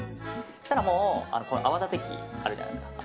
そしたら泡立て器あるじゃないですか。